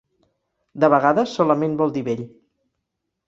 De vegades solament vol dir vell.